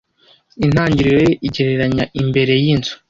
intangiriro ye igereranya imbere yinzu